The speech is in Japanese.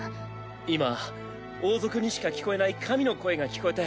今王族にしか聞こえない神の声が聞こえて。